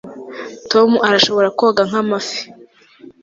tom arashobora koga nk'amafi